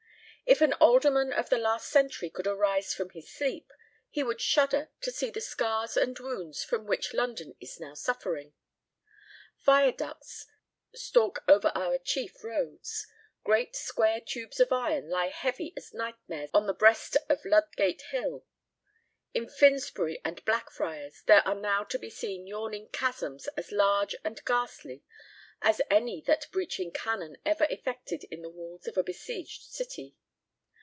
If an alderman of the last century could arise from his sleep, he would shudder to see the scars and wounds from which London is now suffering. Viaducts stalk over our chief roads; great square tubes of iron lie heavy as nightmares on the breast of Ludgate Hill. In Finsbury and Blackfriars there are now to be seen yawning chasms as large and ghastly as any that breaching cannon ever effected in the walls of a besieged city.